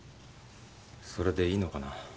それでいいのかな？